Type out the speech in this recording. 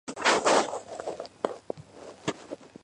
ეკლესიაში შესასვლელები სამხრეთიდან და დასავლეთიდანაა.